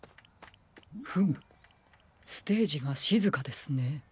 フムステージがしずかですね。